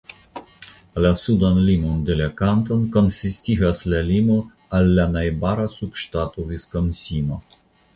La sudan limon de la kanton konsistigas la limo al la najbara subŝtato Viskonsino.